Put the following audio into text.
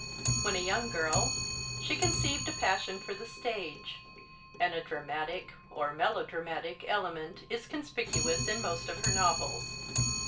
When a young girl she conceived a passion for the stage, and a dramatic or melodramatic element is conspicuous in most of her novels.